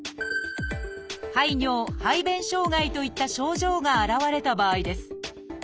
「排尿・排便障害」といった症状が現れた場合です。